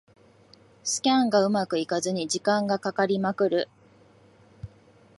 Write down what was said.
スキャンがうまくいかずに時間がかかりまくる